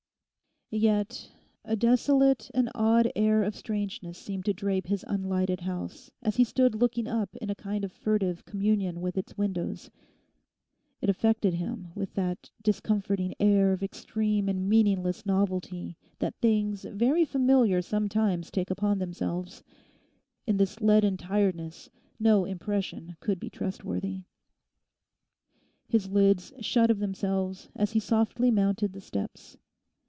Yet a desolate and odd air of strangeness seemed to drape his unlighted house as he stood looking up in a kind of furtive communion with its windows. It affected him with that discomforting air of extreme and meaningless novelty that things very familiar sometimes take upon themselves. In this leaden tiredness no impression could be trustworthy. His lids shut of themselves as he softly mounted the steps.